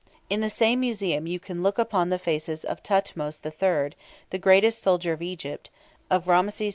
In the same museum you can look upon the faces of Tahutmes III., the greatest soldier of Egypt; of Ramses II.